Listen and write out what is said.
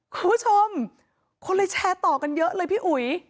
คุณผู้ชมคนเลยแชร์ต่อกันเยอะเลยพี่อุ๋ย